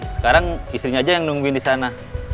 sekarang istrinya aja yang nungguin di sana